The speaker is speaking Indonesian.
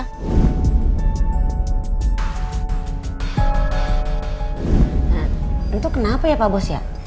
nah itu kenapa ya pak bos ya